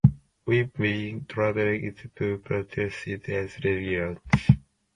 We've been trying to pretend that all religions are the same.